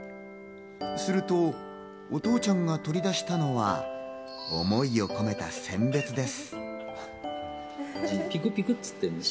するとお父ちゃんが取り出したのは思いを込めた選別です。